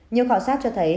nhiều khảo sát cho thấy